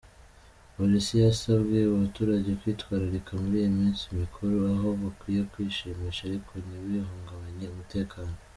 Polisi yasabye abaturage kwitwararika muri iyi minsi mikuru, aho bakwiye kwishimisha ariko ntibihungabanye umutekano.